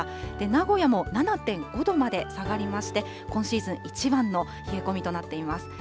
名古屋も７．５度まで下がりまして、今シーズンいちばんの冷え込みとなっています。